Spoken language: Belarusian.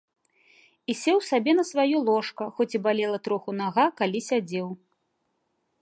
І сеў сабе на сваё ложка, хоць і балела троху нага, калі сядзеў.